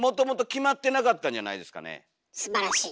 すばらしい。